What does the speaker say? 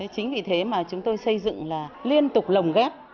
chính vì thế mà chúng tôi xây dựng là liên tục lồng ghép